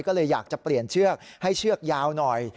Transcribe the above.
ก็เลยอยากจะเปลี่ยนเชือกให้เชือกยาวหน่อย